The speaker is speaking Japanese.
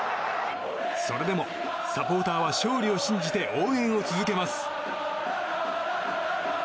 それでもサポーターは勝利を信じて応援を続けます。